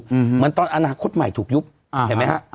เหมือนตอนอนาคตใหม่ถูกยุบอ่าเห็นไหมฮะ